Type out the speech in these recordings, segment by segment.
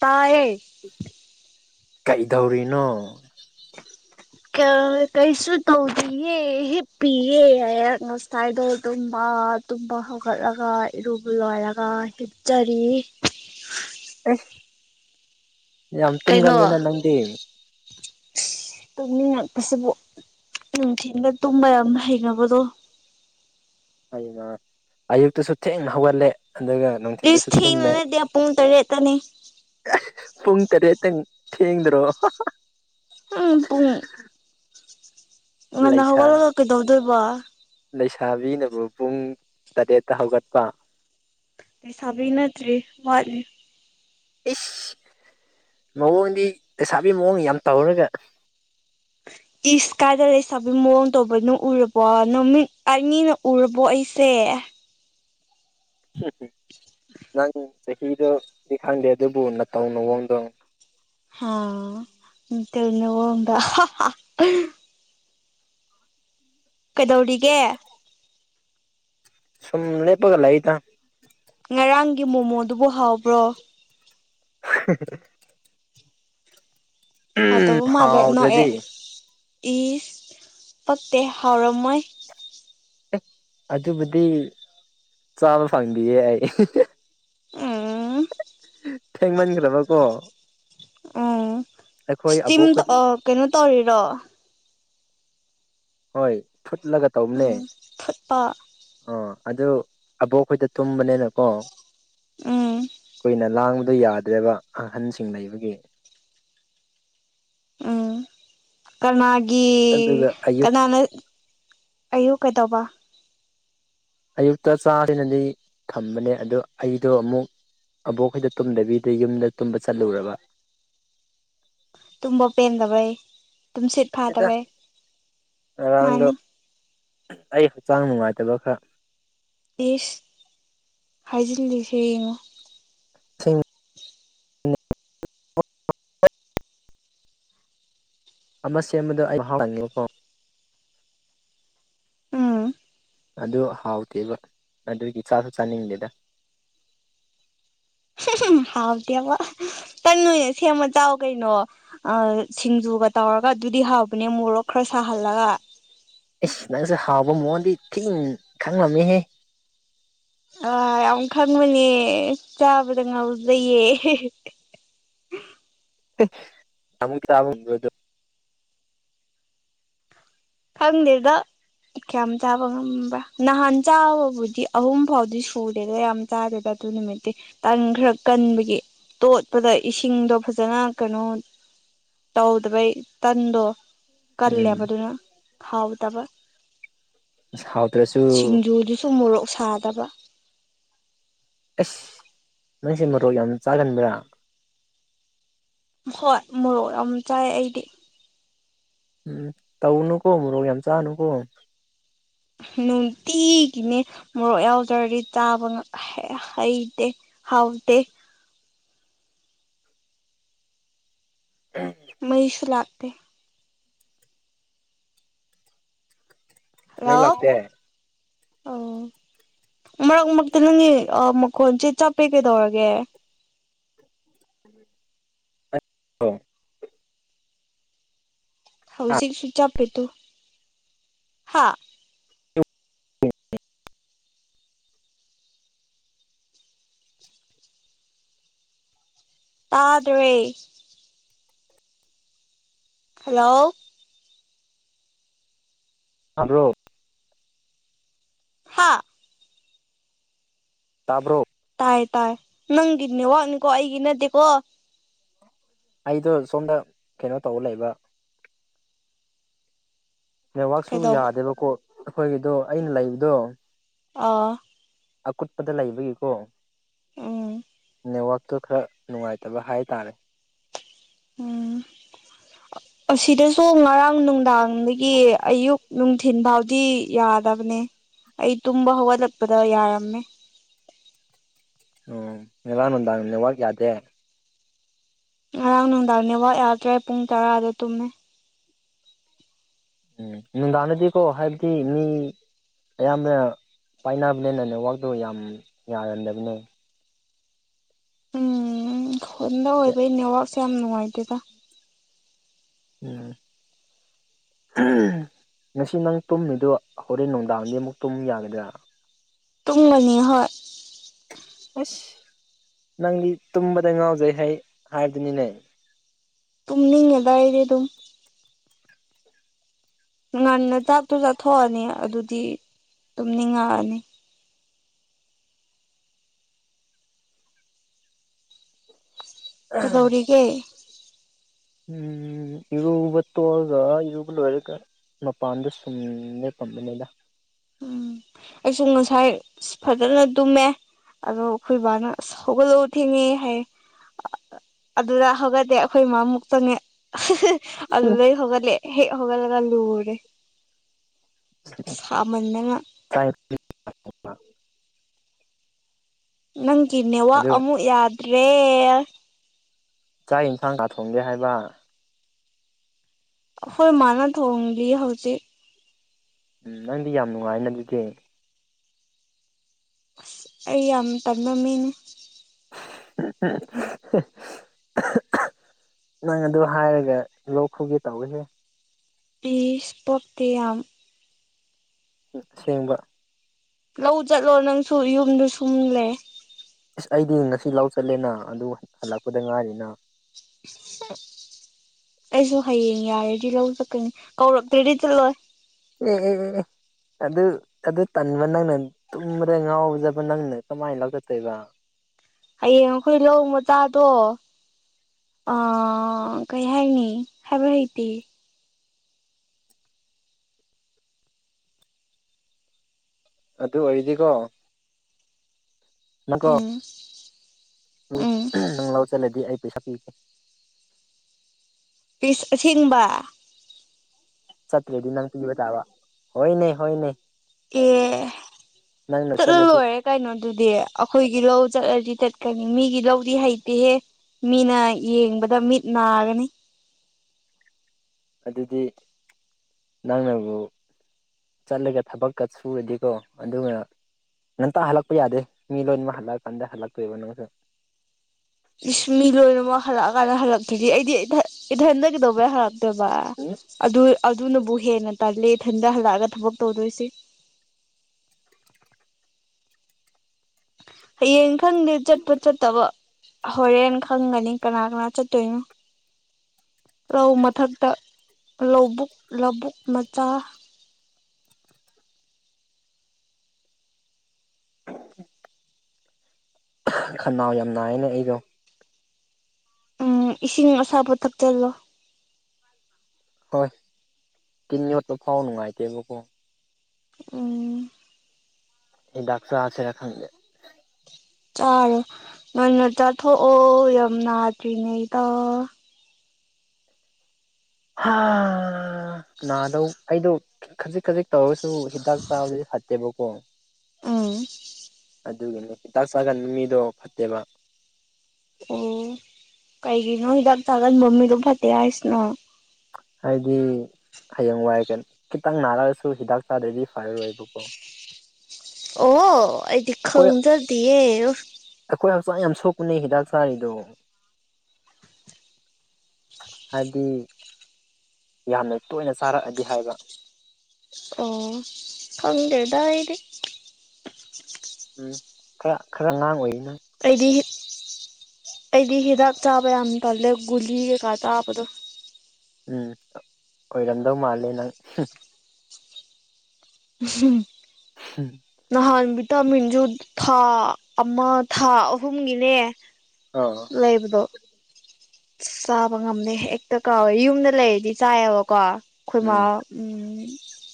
ꯇꯥꯏꯑꯦ ꯀꯩꯗꯧꯔꯤꯅꯣ [inaudible] ꯀꯩꯁꯨ ꯇꯧꯗꯤꯌꯦ ꯍꯤꯞꯄꯤꯌꯦ ꯑꯩꯍꯥꯛ ꯉꯁꯥꯏꯗꯣ ꯑꯗꯨꯝꯕ ꯇꯨꯝꯕ ꯍꯧꯒꯠꯂꯒ ꯏꯔꯨꯕ ꯂꯣꯏꯔꯒ ꯍꯤꯞꯆꯔꯤ ꯑꯦ ꯌꯥꯝ ꯀꯩꯅꯣ ꯇꯨꯝꯒꯜꯂꯤꯅ ꯅꯪꯗꯤ ꯇꯨꯝꯅꯤꯡꯉꯛꯄꯁꯤꯕꯨ ꯅꯨꯡꯊꯤꯗ ꯇꯨꯝꯕ ꯌꯥꯝ ꯍꯩꯅꯕꯗꯣ ꯑꯩꯅ ꯑꯌꯨꯛꯇꯨꯁꯨ ꯊꯦꯡꯅ ꯍꯧꯒꯠꯂꯦ ꯑꯗꯨꯒ ꯇꯤꯁ ꯅꯨꯡꯊꯤꯟꯗꯁꯨ ꯊ ꯇꯨꯝꯃꯦ ꯂꯩꯇꯦꯦ ꯄꯨꯡ ꯇꯔꯦ ꯇꯅꯤ ꯄꯨꯡ ꯇꯔꯦꯠꯇꯪ ꯊꯦꯡꯗ꯭ꯔꯣ ꯎꯝ ꯄꯨꯡꯨꯡ ꯉꯅ ꯂꯩꯁꯥ ꯍꯧꯒꯠꯂꯒ ꯀꯩꯗꯧꯗꯣꯏꯕ ꯂꯩꯁꯥꯕꯤꯅꯕꯨ ꯄꯨꯡ ꯇꯔꯦꯠꯇ ꯍꯧꯒꯠꯄ ꯂꯩꯩꯁꯥꯕꯤ ꯅꯗ꯭ꯔꯤ ꯋꯥꯠꯂꯤ ꯏ ꯃꯑꯣꯡꯗꯤ ꯂꯩꯁꯥꯕꯤ ꯃꯑꯣꯡ ꯌꯥꯝ ꯇꯧꯔꯒ ꯏꯁ ꯀꯥꯏꯗ ꯂꯩꯁꯥꯕꯤꯒꯤ ꯃꯑꯣꯡ ꯇꯧꯕꯅꯣ ꯎꯔꯕꯣ ꯅꯨꯃꯤꯠ ꯑꯅꯤꯅ ꯎꯔꯕꯣ ꯑꯩꯁꯦ ꯎ ꯅꯪ ꯆꯍꯤꯗꯣꯗꯤ ꯈꯪꯗꯦ ꯑꯗꯨꯕꯨ ꯅꯧꯅꯑꯣꯡꯗꯣ ꯍꯥꯥꯇꯅ ꯍꯕ ꯀꯩꯗꯧꯔꯤꯒꯦ ꯁꯨꯝꯅꯦꯄꯒꯂ ꯑꯣꯏꯇ ꯉꯔꯥꯡꯒꯤ ꯃꯣꯃꯣꯗꯨꯕꯨ ꯍꯥꯎꯕ꯭ꯔꯣ [unintelligible] ꯎꯝ ꯍꯥꯎꯇꯕ ꯃꯥꯜꯂꯦ ꯅꯣꯛꯑꯦ ꯍꯥꯎꯗ꯭ꯔꯗꯤ ꯏꯁ ꯄꯛꯇꯦ ꯍꯥꯎꯔꯝꯃꯣꯏ ꯑꯗꯨꯕꯨꯗꯤ ꯆꯥꯕ ꯐꯪꯕꯤꯌꯦ ꯑꯩ ꯑꯝ ꯊꯦꯡꯃꯟꯈ꯭ꯔꯕꯀꯣ ꯎꯝ ꯑꯩꯈꯣꯏ ꯁ꯭ꯇꯤꯝ ꯑꯕꯣꯛ ꯈꯗꯤ ꯀꯩꯅꯣ ꯇꯧꯔꯤꯔꯣ ꯍꯣꯏ ꯐꯨꯠꯂꯒ ꯇꯧꯅꯦ ꯎꯝ ꯐꯨꯠꯄ ꯑ ꯑꯗꯨ ꯑꯕꯣꯛꯈꯣꯏꯗ ꯇꯨꯝꯕꯅꯤꯅꯀꯣ ꯎꯝ ꯀꯨꯏꯅ ꯂꯥꯡꯕꯗ ꯌꯥꯗ꯭ꯔꯦꯕ ꯑꯍꯟꯁꯤꯡ ꯂꯩꯕꯒꯤ ꯎꯝ ꯀꯅꯥꯒꯤ ꯑꯗꯨꯒ ꯑꯌꯨꯛ ꯀꯅꯥꯅ ꯑꯌꯨꯛ ꯀꯩꯗꯧꯕ ꯑꯌꯨꯛꯇ ꯆꯥꯗꯅꯗꯤ ꯊꯝꯕꯅꯦ ꯑꯗ ꯑꯩꯗꯣ ꯑꯃꯨꯛ ꯀꯕꯣꯛ ꯑꯩꯈꯣꯏꯗ ꯇꯨꯝꯗꯕꯤꯗ ꯌꯨꯝꯗ ꯇꯨꯝꯕ ꯆꯠꯂꯨꯔꯕ ꯇꯨꯝꯕ ꯄꯦꯟꯗꯕꯩ ꯇꯨꯝꯁꯤꯠ ꯑꯗꯨꯗ ꯐꯥꯗꯕꯩ ꯉꯔꯥꯡꯗꯣ ꯃꯥꯅꯤ ꯑꯩ ꯍꯛꯆꯥꯡ ꯅꯨꯡꯉꯥꯏꯇꯕ ꯈꯔ ꯏꯁ ꯍꯥꯏꯖꯤꯟ ꯂꯩꯁ ꯌꯦꯡꯉꯣ ꯁꯤ ꯑꯃ ꯁꯦꯝꯕꯗ ꯑꯩꯉꯦꯀꯣ ꯎꯝ ꯑꯗꯨ ꯍꯥꯎꯇꯦꯕ ꯑꯗꯨꯒꯤ ꯆꯥꯁꯨ ꯆꯥꯅꯤꯡꯗꯦꯗ ꯎꯝ ꯍꯥꯎꯗꯦꯕ ꯇꯟꯨꯅ ꯁꯦꯝꯃ ꯆꯥꯎ ꯀꯩꯅꯣ ꯁꯤꯡꯖꯨꯒ ꯇꯧꯔꯒ ꯑꯗꯨꯗꯤ ꯍꯥꯎꯕꯅꯦ ꯃꯣꯔꯣꯛ ꯈꯔ ꯁꯥꯍꯜꯂꯒ ꯏꯁꯁ ꯅꯪꯁꯦ ꯍꯥꯎꯕ ꯃꯑꯣꯣꯟꯗꯤ ꯊꯤꯟꯅ ꯈꯪꯂꯝꯃꯤꯍꯦ ꯑꯥ ꯌꯥꯝ ꯈꯪꯕꯨꯅꯦ ꯆꯥꯕꯗ ꯉꯥꯎꯖꯩꯌꯦ ꯅꯃꯛ ꯇꯕ ꯑꯗꯨ ꯈꯪꯗꯔꯗ ꯀꯌꯥꯝ ꯆꯥꯕ ꯉꯝꯕ꯭ꯔꯥ ꯅꯍꯥꯟ ꯆꯥꯕꯕꯨꯗꯤ ꯑꯍꯨꯝ ꯐꯥꯎꯗꯤ ꯁꯨꯔꯦꯗ ꯌꯥꯝ ꯆꯥꯗꯦꯗ ꯑꯗꯨ ꯅꯨꯃꯤꯠꯇꯤ ꯇꯪ ꯈꯔ ꯀꯟꯕꯒꯤ ꯇꯣꯠꯄꯗ ꯏꯁꯤꯡꯗꯣ ꯐꯖꯅ ꯀꯩꯅꯣ ꯇꯧꯗꯕꯩ ꯇꯟꯗꯣ ꯀꯜꯂꯦꯕꯗꯨꯅ ꯍꯥꯎꯗꯕ ꯑꯁ ꯍꯥꯎꯇ꯭ꯔꯁꯨ ꯁꯤꯡꯖꯨꯗꯨ ꯇꯨ ꯃꯣꯔꯣꯛ ꯁꯥꯗꯕ ꯑꯁ ꯅꯪꯁꯦ ꯃꯔꯣꯛ ꯌꯥꯝ ꯆꯥꯒꯟꯕ꯭ꯔꯥ ꯍꯣꯏ ꯃꯣꯔꯣꯛ ꯌꯥꯝ ꯆꯥꯏ ꯑꯩꯗꯤ ꯎꯝ ꯇꯧꯅꯨꯀꯣ ꯃꯣꯔꯣꯛ ꯌꯥꯝ ꯆꯥꯅꯨꯀꯣ ꯅꯨꯡꯇꯤꯒꯤꯅꯦ ꯃꯣꯔꯣꯛ ꯌꯥꯎꯗ꯭ꯔꯗꯤ ꯇꯥꯕ ꯍꯩꯇꯦ ꯍꯥꯎꯗꯦ ꯎꯝ ꯃꯩꯁꯂꯥꯛ ꯇ ꯃꯩ ꯍꯦꯜꯂꯣ ꯂꯥꯛꯇꯦ ꯑꯣ ꯃꯔꯛ ꯃꯔꯛꯇ ꯅꯪꯒꯤ ꯃꯈꯣꯟꯁꯦ ꯆꯞꯄꯦ ꯀꯩꯗꯧꯔꯒꯦ ꯑꯣ ꯍꯧꯥꯎꯖꯤ ꯁꯨ ꯆꯞꯦ ꯇꯣ ꯍꯥꯥ ꯎꯝ ꯇꯥꯗ꯭ꯔꯦ ꯍꯜꯂꯣ ꯑꯣ ꯍꯥꯥ ꯇꯥꯕ꯭ꯔꯣ ꯇꯥꯏ ꯇꯥꯏ ꯅꯪꯒꯤꯗꯅꯦ ꯋꯥꯅꯤꯀꯣ ꯑꯩꯒꯤ ꯅꯠꯇꯦꯀꯣ ꯑꯩꯗꯣ ꯁꯣꯝꯗ ꯀꯩꯅꯣ ꯇꯧꯕ ꯂꯩꯕ ꯅꯦꯠꯋꯥꯛꯁꯨ ꯀꯩꯗꯧꯕ ꯌꯥꯗꯦꯕꯀꯣ ꯑꯩꯈꯣꯏꯒꯤꯗꯣ ꯑꯩꯅ ꯂꯩꯕꯗꯣ ꯑ ꯑꯀꯨꯠꯄꯗ ꯂꯩꯕꯒꯤꯀꯣ ꯎꯝ ꯅꯦꯠꯋꯥꯛꯇꯣ ꯈꯔ ꯅꯨꯡꯉꯥꯏꯇꯕ ꯍꯥꯏꯇꯥꯔꯦ ꯎꯝ ꯑꯁꯤꯗꯁꯨ ꯉꯔꯥꯡ ꯅꯨꯡꯗꯥꯡꯗꯒꯤ ꯑꯌꯨꯛ ꯅꯨꯡꯊꯤꯟ ꯐꯥꯎꯗꯤ ꯌꯥꯗꯕꯅꯦ ꯑꯩ ꯇꯨꯝꯕ ꯍꯧꯒꯠꯂꯛꯄꯗ ꯌꯥꯔꯝꯃꯦ ꯑꯣ ꯉꯔꯥꯡ ꯅꯨꯡꯗꯥꯡ ꯅꯦꯠꯋꯥꯛ ꯌꯥꯗꯦ ꯉꯔꯥꯡ ꯅꯨꯡꯗꯥꯡ ꯅꯦꯠꯋꯥꯛ ꯌꯥꯗ꯭ꯔꯦ ꯄꯨꯡ ꯇꯔꯥꯗꯥ ꯇꯨꯝꯃꯦ ꯎꯝ ꯅꯨꯡꯗꯥꯡꯗꯗꯤꯀꯣ ꯍꯥꯏꯕꯗꯤ ꯃꯤ ꯑꯌꯥꯝꯕꯅ ꯄꯥꯏꯅꯕꯅꯤꯅ ꯅꯦꯠꯋꯥꯛꯗꯨ ꯌꯥꯝ ꯌꯥꯒꯟꯗꯕꯅꯦ ꯎꯝ ꯈꯨꯟꯥꯟꯗ ꯑꯣꯏꯕꯩ ꯅꯦꯠꯋꯥꯛꯁꯦ ꯌꯥꯝ ꯅꯨꯡꯉꯥꯏꯇꯦꯗ ꯎꯝ [unintelligible] ꯉꯁꯤ ꯅꯪ ꯇꯨꯝꯃꯤꯗꯣ ꯍꯣꯔꯦꯟ ꯅꯨꯡꯗꯥꯡꯗꯤ ꯑꯃꯨꯛ ꯇꯨꯝ ꯌꯥꯒꯗ꯭ꯔꯥ ꯇꯨꯝꯒꯅꯤ ꯍꯣꯏ ꯑꯁ ꯅꯪꯗꯤ ꯇꯨꯝꯕꯗ ꯉꯥꯎꯖꯩꯍꯩ ꯍꯥꯏꯗꯨꯅꯤꯅꯦ ꯇꯨꯝꯅꯤꯡꯉꯤꯗ ꯑꯩꯗꯤ ꯑꯗꯨꯝ ꯉꯟꯅ ꯆꯥꯛꯇꯨ ꯆꯥꯊꯣꯛꯑꯅꯤ ꯑꯗꯨꯗꯤ ꯇꯨꯝ ꯅꯤꯡꯉꯛꯑꯅꯤ ꯀꯩꯗꯧꯔꯤꯒꯦ ꯎꯝ ꯏꯔꯕ ꯇꯣꯛꯒ ꯏꯔꯨꯕ ꯂꯣꯏꯔꯒ ꯃꯄꯥꯟꯗ ꯁꯨꯝ ꯂꯦꯞꯄꯝꯕꯅꯤꯗ ꯎꯝ ꯑꯩꯁꯨ ꯉꯁꯥꯏ ꯐꯖꯅ ꯇꯨꯝꯃꯦ ꯑꯗꯨ ꯈꯣꯏꯕꯅ ꯑꯁ ꯍꯧꯒꯠꯂꯨ ꯊꯦꯡꯉꯦ ꯍꯥꯏꯌꯦ ꯑꯥ ꯑꯥ ꯑꯗꯨꯗ ꯍꯧꯒꯠꯗꯦ ꯑꯩꯈꯣꯏ ꯏꯃꯥ ꯃꯨꯛ ꯆꯪꯉꯦ ꯑꯗꯨꯗꯩ ꯂꯍꯧꯒꯠꯂꯦ ꯍꯦꯛ ꯍꯩꯒꯠꯂꯒ ꯂꯨꯔꯦ [unintelligible] [unintelligible] ꯇꯥꯏ [unintelligible] ꯅꯪꯒꯤ ꯅꯦꯋꯥꯛ ꯑꯗꯨ ꯑꯃꯨꯛ ꯌꯥꯗ꯭ꯔꯦ ꯆꯥꯛ ꯌꯦꯟꯁꯥꯡ ꯀꯥ ꯊꯣꯡꯒꯦ ꯍꯥꯏꯕ ꯑꯩꯈꯣꯏ ꯃꯥꯅ ꯊꯣꯡꯂꯤ ꯍꯧꯖꯤꯛ ꯎꯝ ꯅꯪꯗꯤ ꯌꯥꯝ ꯅꯨꯡꯉꯥꯏꯅ ꯑꯗꯨꯗꯤ ꯑꯁ ꯑꯩ ꯌꯥꯝ ꯇꯟꯕ ꯃꯤꯅꯤ [unintelligible] [unintelligible] ꯅꯪ ꯑꯗꯨ ꯍꯥꯏꯔꯒ ꯂꯣꯛ ꯈꯨꯒꯦ ꯇꯧꯋꯤꯍꯦ ꯏꯁ ꯄꯛꯇꯦ ꯌꯥꯝ ꯁꯦꯡꯕ ꯂꯧ ꯆꯠꯂꯣ ꯅꯪꯁꯨ ꯌꯨꯝꯗꯨ ꯁꯨꯝ ꯂꯦ ꯏꯁ ꯑꯩꯗꯤ ꯉꯁꯤ ꯂꯥꯎ ꯆꯠꯂꯦꯅ ꯑꯗꯨꯒ ꯍꯜꯂꯛꯄꯗ ꯉꯥꯏꯔꯤꯅ [unintelligible] ꯑꯩꯁꯨ ꯍꯌꯦꯡ ꯌꯥꯔꯗꯤ ꯂꯧ ꯆꯠꯀꯅꯤ ꯀꯧꯔꯛꯇ꯭ꯔꯗꯤ ꯆꯠꯂꯣꯏ ꯑꯦ ꯑꯦ ꯑꯦ ꯑꯦ ꯑꯗꯨ ꯑꯗꯨ ꯇꯟꯕ ꯅꯪꯅ ꯇꯨꯝꯕꯗꯥ ꯉꯥꯎꯖꯕ ꯅꯪꯅ ꯀꯃꯥꯏꯅ ꯂꯧ ꯒꯥꯆꯠꯇꯣꯏꯕ ꯍꯌꯦꯡ ꯑꯩꯈꯣꯏ ꯂꯧ ꯃꯆꯥꯗꯣ ꯑꯥ ꯀꯩ ꯍꯥꯏꯅꯤ ꯍꯥꯏꯕ ꯍꯩꯇꯦ ꯑꯗꯨ ꯑꯣꯏꯔꯗꯤꯀꯣ ꯅꯪꯀꯣ ꯎꯝ ꯎꯝ ꯅꯪ ꯂꯧ ꯆꯠꯂꯗꯤ ꯑꯩ ꯄꯩꯁꯥ ꯄꯤꯒꯦ ꯏꯁ ꯑꯁꯦꯡꯕ ꯆꯠꯇ꯭ꯔꯥꯗꯤ ꯅꯪ ꯄꯤꯕ ꯇꯥꯕ ꯍꯣꯏꯅꯦ ꯍꯣꯏꯅꯦ ꯑꯦ ꯅꯪꯅ ꯆꯠꯂꯗꯤ ꯆꯠꯂꯂꯣꯏꯔꯦ ꯀꯩꯅꯣꯗꯨꯗꯤ ꯑꯩꯈꯣꯏꯒꯤ ꯂꯧ ꯆꯠꯂꯗꯤ ꯆꯠꯀꯅꯤ ꯃꯤꯒꯤ ꯂꯧꯗꯤ ꯍꯩꯇꯦꯍꯦ ꯃꯤꯅ ꯌꯦꯡꯕꯗ ꯃꯤꯠ ꯅꯥꯒꯅꯤ ꯑꯗꯨꯗꯤ ꯅꯪꯅꯕꯨ ꯆꯠꯂꯒ ꯊꯕꯛꯀ ꯁꯨꯔꯗꯤꯀꯣ ꯑꯗꯨꯒ ꯉꯟꯇ ꯍꯜꯂꯛꯄ ꯌꯥꯗꯦ ꯃꯤ ꯂꯣꯟꯕ ꯑꯃ ꯍꯜꯂꯛꯑ ꯀꯥꯟꯗ ꯍꯜꯂꯛꯇꯣꯏꯕ ꯅꯪꯁꯨ ꯏꯁ ꯃꯤ ꯂꯣꯏꯅꯃꯛ ꯍꯜꯂꯛꯑꯀꯥꯟꯗ ꯍꯜꯂꯛꯛꯇꯗꯤ ꯑꯩꯗꯤ ꯏꯊꯟꯗ ꯀꯩꯗꯧꯕ ꯌꯥꯏ ꯍꯜꯂꯑꯦ ꯠꯇꯕ ꯎꯝ ꯑꯗꯨ ꯑꯗꯨꯅꯕꯨ ꯍꯦꯟꯅ ꯇꯜꯂꯤ ꯏꯊꯟꯗ ꯍꯜꯂꯛꯑꯒ ꯊꯕꯛ ꯇꯧꯗꯣꯏꯁꯤ ꯍꯌꯦꯡ ꯈꯪꯗꯦ ꯆꯠꯄ ꯆꯠꯇꯕ ꯍꯣꯏꯣꯔꯦꯟꯅ ꯈꯪꯒꯅꯤ ꯀꯅꯥ ꯀꯅꯥ ꯆꯠꯇꯣꯏꯅꯣ ꯔꯧ ꯃꯊꯛꯇ ꯂꯧꯕꯨꯛ ꯂꯧꯕꯨꯛ ꯃꯆꯥ ꯈꯅꯥꯎ ꯌꯥꯝ ꯅꯥꯏꯅ ꯑꯩꯗꯣ ꯎꯝ ꯏꯁꯤꯡ ꯑꯁꯥꯕ ꯊꯛꯆꯜꯂꯣ ꯍꯣꯏ ꯇꯤꯟ ꯌꯣꯠꯄ ꯐꯥꯎ ꯅꯨꯡꯉꯥꯏꯇꯦꯕꯀꯣ ꯎꯝ ꯍꯤꯗꯥꯛ ꯆꯥꯔꯁꯨꯔ ꯈꯪꯗ ꯆꯥꯔꯣ ꯉꯟꯅ ꯆꯥꯊꯣꯛꯑꯣ ꯌꯥꯝ ꯅꯥꯗ꯭ꯔꯤꯉꯩꯗ ꯅꯥꯗꯧ ꯑꯩꯗꯣ ꯈꯖꯤꯛ ꯈꯖꯤꯛ ꯇꯧꯔꯁꯨ ꯍꯤꯗꯥꯛ ꯆꯥꯕꯗꯤ ꯐꯠꯇꯦꯕꯀꯣ ꯑꯝ ꯑꯗꯨꯒꯤꯅꯤ ꯍꯤꯗꯥꯛ ꯆꯥꯒꯟꯕ ꯃꯤꯗꯣ ꯐꯠꯇꯦꯕ ꯑꯣ ꯀꯩꯒꯤꯅꯣ ꯍꯤꯗꯥꯛ ꯆꯥꯒꯟꯕ ꯃꯤꯗꯣ ꯐꯠꯇꯦ ꯍꯥꯏꯁꯅꯣ ꯍꯥꯏꯗꯤ ꯍꯌꯦꯡ ꯋꯥꯏꯅꯦ ꯀꯩꯅꯣ ꯈꯤꯇꯪ ꯅꯥꯔꯛꯑꯁꯨ ꯍꯤꯗꯥꯛ ꯆꯥꯗꯗꯤ ꯐꯔꯔꯣꯏꯕꯀꯣ ꯑꯣ ꯑꯩꯗꯤ ꯑꯩꯈꯣꯏ ꯈꯪꯖꯗꯤꯌꯦ ꯑꯣ ꯑꯩꯈꯣꯏ ꯍꯛꯆꯥꯡ ꯌꯥꯝ ꯁꯣꯛꯄꯅꯦ ꯍꯤꯗꯥꯛ ꯆꯥꯔꯤꯗꯣ ꯍꯥꯏꯕꯗꯤ ꯌꯥꯝꯅ ꯇꯣꯏꯅ ꯆꯥꯔꯛꯑꯗꯤ ꯍꯥꯏꯕ ꯑꯣ ꯈꯪꯗꯦꯗ ꯑꯩꯗꯤ ꯎꯝ ꯈꯔ ꯈꯔ ꯑꯉꯥꯡ ꯑꯣꯏꯔꯤꯅꯪ ꯑꯩꯗꯤ ꯑꯩꯗꯤ ꯍꯤꯗꯥꯛ ꯆꯥꯕ ꯌꯥꯝ ꯄꯜꯂꯦ ꯒꯨꯂꯤ ꯀꯩꯀꯥ ꯇꯥꯕꯗꯣ ꯎꯝ ꯑꯣꯏꯔꯝꯗꯧ ꯃꯥꯜꯂꯦ ꯅꯪ ꯎꯝ ꯎꯝ ꯅꯍꯥꯟ ꯚꯤꯇꯥꯃꯤꯟꯁꯨ ꯊꯥ ꯑꯃ ꯊꯥ ꯑꯍꯨꯝꯒꯤꯅꯦ ꯑꯥ ꯂꯩ ꯂꯩꯕꯗꯣ ꯆꯥꯕ ꯉꯝꯅꯦ ꯍꯦꯛꯇ ꯀꯥꯎꯋꯦ ꯌꯨꯝꯗ ꯂꯩꯔꯗꯤ ꯆꯥꯏꯑꯕꯀꯣ ꯑꯩꯈꯣꯏꯃ ꯎꯝ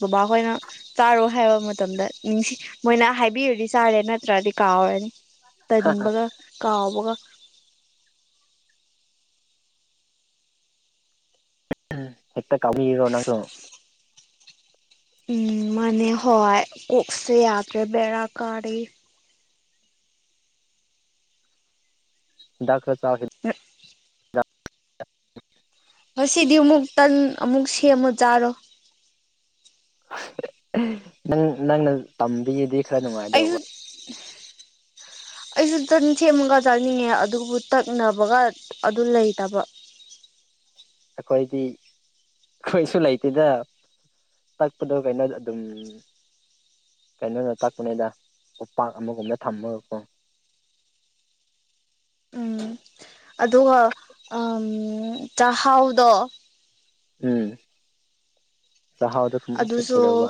ꯕꯕꯥꯍꯣꯏꯅ ꯆꯥꯔꯣ ꯍꯥꯏꯕ ꯃꯇꯝꯗ ꯅꯤꯡꯁꯤ ꯃꯣꯏꯅ ꯍꯥꯏꯕꯤꯔꯨꯗꯤ ꯆꯥꯔꯦ ꯅꯠꯇ꯭ꯔꯗꯤ ꯀꯥꯎꯍꯔꯅꯤ ꯇꯟꯕꯒ ꯀꯥꯎꯕꯒ ꯍꯛꯇ ꯀꯥꯕꯃꯤꯔꯅꯪꯁꯨ ꯎꯝ ꯃꯅꯦ ꯍꯣꯏ ꯀꯁ ꯌꯥꯗꯦ ꯕꯔꯥ ꯀꯥꯔꯤ ꯗꯗꯥꯥꯛꯂ ꯆꯈ ꯑ ꯉꯁꯤꯗꯤ ꯑꯃꯨꯛ ꯇꯟ ꯑꯃꯨꯛ ꯁꯦꯝꯃꯣ ꯆꯥꯔꯣ ꯅꯪ ꯅꯪꯅ ꯇꯝꯕꯤꯗꯤ ꯑꯩꯌꯨ ꯑꯩꯁꯨ ꯇꯟ ꯁꯦꯝꯃꯒ ꯆꯥꯅꯤꯡꯉꯦ ꯑꯗꯨꯕꯨ ꯇꯛꯅꯕꯒ ꯑꯗꯨ ꯂꯩꯇꯕ ꯑꯩꯈꯣꯏꯗꯤ ꯀꯣꯏꯁꯨ ꯂꯩꯇꯦꯗ ꯇꯛꯄꯗꯣ ꯀꯩꯅꯣ ꯑꯗꯨꯝ ꯀꯩꯅꯣꯗ ꯇꯥꯛꯄꯅꯤꯗ ꯎꯄꯥꯛ ꯑꯃꯒꯨꯝꯗ ꯊꯝꯃꯒꯀꯣ ꯎꯝ ꯑꯗꯨꯒ ꯆꯥꯛꯍꯥꯎꯗꯣ ꯎꯝ ꯆꯥꯛꯍꯥꯎꯗ ꯑꯗꯨꯁꯨꯣ ꯀꯩꯗꯧꯕ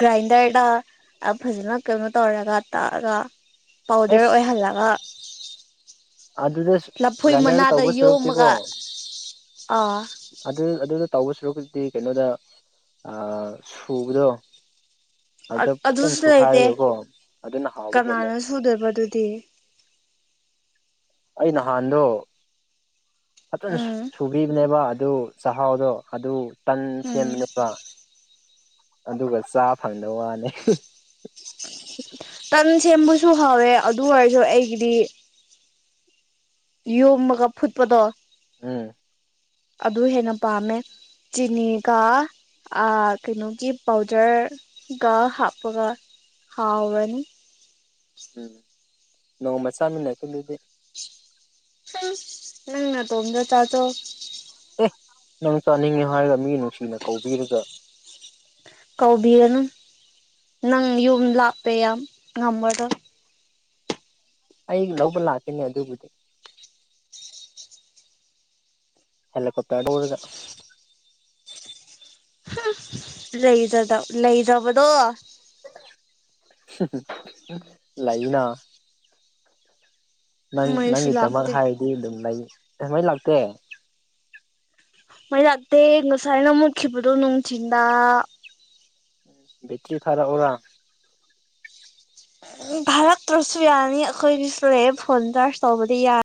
ꯒ꯭ꯔꯥꯏꯟꯗꯔꯗ ꯐꯖꯅ ꯀꯩꯅꯣ ꯇꯧꯔꯒ ꯇꯥꯛꯑꯒ ꯄꯥꯎꯗꯔ ꯑꯩꯁ ꯑꯣꯏꯍꯜꯂꯒ ꯑꯗꯨꯗ ꯂꯐꯣꯏ ꯒꯥꯏꯗꯔꯗ ꯃꯅꯥꯗ ꯇꯧꯕ ꯁꯔꯨꯛꯇꯤꯀꯣ ꯌꯣꯝꯃꯒ ꯑꯥ ꯑꯗꯨ ꯑꯗꯨꯗ ꯇꯧꯕ ꯁꯨꯔꯨꯗꯤ ꯀꯩꯅꯣꯗ ꯁꯨꯕꯗꯣ ꯑꯗ ꯐꯖꯅ ꯑꯗꯨꯁꯨ ꯁꯨꯈꯥꯏꯔꯗꯀꯣ ꯑꯗꯨꯅ ꯍꯥꯎꯕ ꯍꯦꯜꯂꯦ ꯁꯨꯗꯔꯕꯗꯨꯗꯤ ꯑꯩ ꯅꯍꯥꯟꯗꯣ ꯐꯖꯅ ꯎꯝ ꯁꯨꯕꯤ ꯅꯦꯕ ꯑꯗꯨ ꯆꯥꯛꯍꯥꯎꯗꯣ ꯑꯗꯨ ꯇꯟ ꯎꯝ ꯁꯦꯝꯕꯅꯦꯕ ꯑꯗꯨꯒ ꯆꯥ ꯐꯪꯗꯕ ꯋꯥꯅꯤ ꯇꯟ ꯁꯦꯝꯕꯁꯨ ꯍꯧꯋꯦ ꯑꯗꯨ ꯑꯣꯏꯔꯁꯨ ꯑꯩꯒꯤꯗꯤ ꯌꯣꯝꯃꯒ ꯐꯨꯠꯄꯗꯣ ꯎꯝ ꯑꯗꯨ ꯍꯦꯟꯅ ꯄꯥꯝꯃꯦ ꯆꯤꯅꯤꯀꯥ ꯀꯩꯅꯣꯒꯤ ꯄꯥꯎꯗꯔꯒ ꯍꯥꯞꯄꯒ ꯍꯥꯎꯔꯅꯤ ꯎꯝ ꯅꯣꯡꯃ ꯆꯥꯃꯤꯟꯅꯁꯨ ꯑꯗꯨꯗꯤ ꯅꯪꯅ ꯇꯣꯝꯗ ꯆꯥꯇꯣ ꯑꯦ ꯅꯪ ꯆꯥꯅꯤꯡꯉꯤ ꯍꯥꯏꯔꯒ ꯃꯤ ꯅꯨꯡꯁꯤꯅ ꯀꯧꯕꯤꯔꯒ ꯀꯧꯕꯤꯔꯅꯨ ꯅꯪ ꯌꯨꯝ ꯂꯥꯛꯄ ꯌꯥꯝ ꯉꯝꯃꯗꯣ ꯑꯩ ꯂꯧꯕ ꯂꯥꯛꯀꯅꯦ ꯑꯗꯨꯕꯨꯗꯤ ꯍꯦꯜꯂꯀꯣꯠꯇꯔꯒ ꯍꯥ ꯂꯩꯖꯗ ꯂꯩꯗꯕꯗꯣ ꯂꯩꯥꯏꯅꯥ ꯅꯪ ꯃꯩꯁꯨ ꯅꯪꯒꯤꯗꯃꯛ ꯂꯥꯛꯇꯦ ꯍꯥꯏꯔꯗꯤ ꯑꯗꯨꯝ ꯂꯩ ꯀꯃꯥꯏ ꯂꯥꯛꯇꯦ ꯃꯩ ꯂꯥꯛꯇꯦ ꯉꯁꯥꯏꯅ ꯃꯨꯠꯈꯤꯕꯗꯣ ꯅꯨꯡꯊꯤꯤꯟꯗ ꯕꯇꯔꯤ ꯈꯥꯔꯛ ꯑꯣꯔꯥ ꯐꯥꯔꯛꯇ꯭ꯔꯁꯨ ꯌꯥꯅꯤ ꯑꯩꯈꯣꯏꯒꯤꯁꯨ ꯂꯩ ꯐꯣꯟ ꯆꯥꯔꯖ ꯇꯧꯕꯗꯤ ꯌꯥꯔ